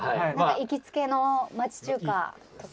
「行きつけの町中華とか」